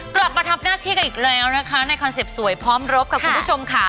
กลับมาทำหน้าที่กันอีกแล้วนะคะในคอนเซ็ปต์สวยพร้อมรบค่ะคุณผู้ชมค่ะ